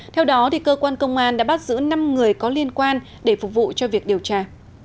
theo đó cơ quan công an đã bắt giữ năm người có liên quan để phục vụ cho việc điều tra